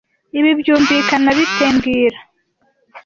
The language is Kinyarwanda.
Ibi byumvikana bite mbwira